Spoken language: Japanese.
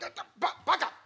バカ。